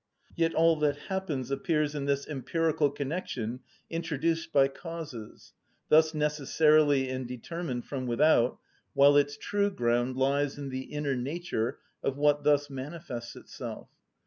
Yet all that happens appears in this empirical connection introduced by causes, thus necessarily and determined from without, while its true ground lies in the inner nature of what thus manifests itself.